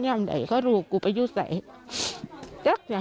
นายเข้าใจไหม